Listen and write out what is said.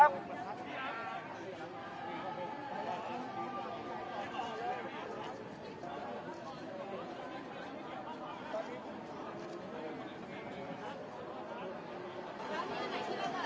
เป็นใครที่ให้รับสมบูรณ์หรือเปลี่ยนหล่ะครับ